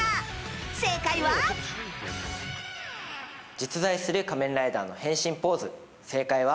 実在する仮面ライダーの変身ポーズ、正解は。